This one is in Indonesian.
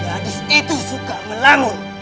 gadis itu suka melamu